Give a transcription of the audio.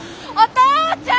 父ちゃん！